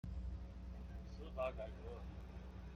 司法改革